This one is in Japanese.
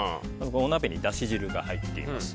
お鍋にだし汁が入っています。